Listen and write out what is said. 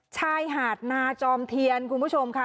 ชายหาดนาจอมเทียนคุณผู้ชมค่ะ